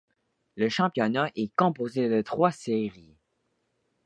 Le championnat est composé de trois séries.